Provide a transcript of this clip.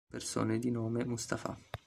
Persone di nome Mustafa